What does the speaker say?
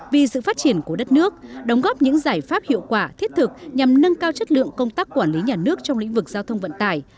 vì sự phát triển của đất nước đóng góp những giải pháp hiệu quả thiết thực nhằm nâng cao chất lượng công tác quản lý nhà nước trong lĩnh vực giao thông vận tải